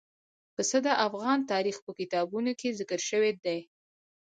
پسه د افغان تاریخ په کتابونو کې ذکر شوی دي.